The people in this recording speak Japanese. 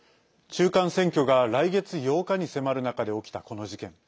中間選挙が来月８日に迫る中で起きた、この事件。